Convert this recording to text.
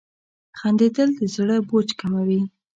• خندېدل د زړه بوج کموي.